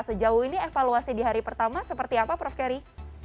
sejauh ini evaluasi di hari pertama seperti apa prof keri